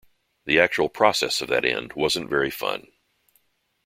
The actual process of that end wasn't very fun.